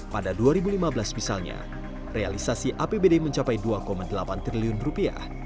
pada dua ribu lima belas misalnya realisasi apbd mencapai dua delapan triliun rupiah